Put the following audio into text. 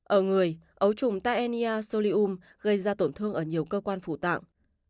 ở người ấu trùng tania solium gây ra tổn thương ở nhiều cơ quan phủ tạng